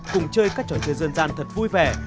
cùng chơi các trò chơi dân gian thật vui vẻ